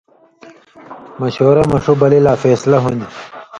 مشورہ مہ ݜُو بلیۡ لا فېصلہ ہُون٘دیۡ